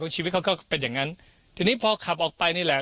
ชีวิตเขาก็เป็นอย่างนั้นทีนี้พอขับออกไปนี่แหละ